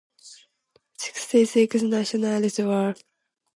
Sixty-six Nationalists were arrested on charges of parading without a permit.